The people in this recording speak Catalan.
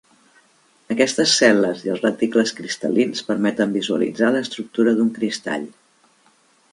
Aquestes cel·les i els reticles cristal·lins permeten visualitzar l'estructura d'un cristall.